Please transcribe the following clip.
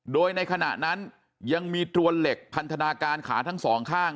โดยในขณะนั้นยังมีตรวนเหล็กพันธนาการขาทั้งสองข้าง